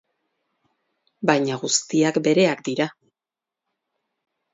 Baina guztiak bereak dira.